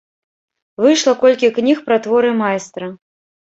Выйшла колькі кніг пра творы майстра.